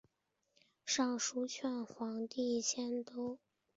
上书劝皇帝迁都汴京。